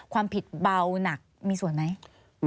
ความผิดเบาหนักมีส่วนไหม